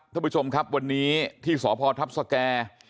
ท่านผู้ชมครับวันนี้ที่สพทัพสแก่